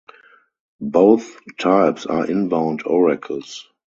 Both types are "inbound" oracles.